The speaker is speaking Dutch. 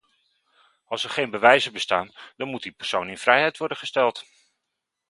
Als er geen bewijzen bestaan, dan moet die persoon in vrijheid worden gesteld.